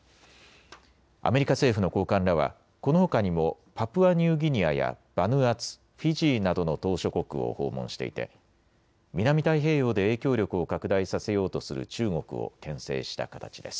アメリカ政府の高官らはこのほかにもパプアニューギニアやバヌアツ、フィジーなどの島しょ国を訪問していて南太平洋で影響力を拡大させようとする中国をけん制した形です。